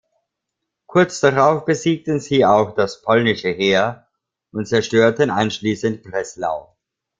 Kurz darauf besiegten sie auch das polnische Heer und zerstörten anschließend Breslau.